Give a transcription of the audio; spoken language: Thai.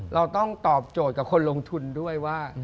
เราต้องตอบโจทย์กับคนลงทุนด้วยว่า